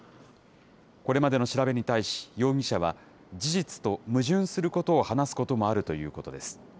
これまでの調べに対し、容疑者は、事実と矛盾することを話すこともあるということです。